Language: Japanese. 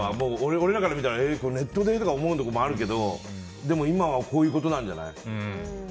俺らから見たらネットで？とか思うところもあるけどでも今はこういうことなんじゃない。